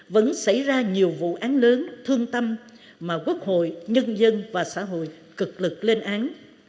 vẫn xảy ra nhiều vụ án lớn thương tâm mà quốc hội nhân dân và xã hội cực lực lên án